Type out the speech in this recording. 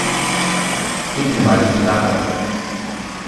Gib mir mal die Knarre.